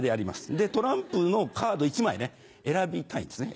でトランプのカード１枚ね選びたいんですね。